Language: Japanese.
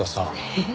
えっ？